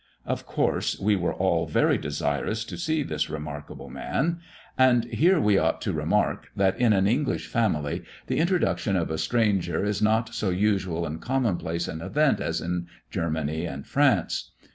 Of course we were all very desirous to see this remarkable man. And here we ought to remark, that in an English family the introduction of a stranger is not so usual and common place an event as in Germany and France.